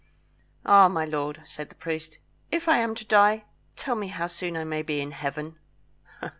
"Ah, my lord," said the priest, "If I am to die, tell me how soon I may be in Heaven?"